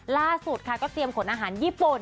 ล่าสุดค่ะก็เตรียมขนอาหารญี่ปุ่น